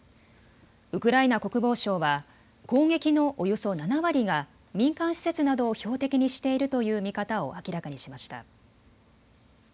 ウクライナ国防省は攻撃のおよそ７割が民間施設などを標的にしているという見方を明らかにしました。